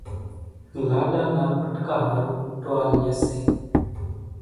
لاڏا نا پٽڪا ۿارُو ٽوئال ليئيَ سي۔